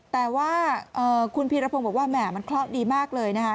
แต่ว่าคุณพีรพงศ์บอกว่าแหม่มันเคราะห์ดีมากเลยนะคะ